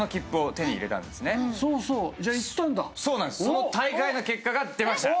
その大会の結果が出ました。